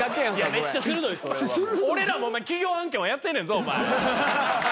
俺らも企業案件はやってんねんぞお前。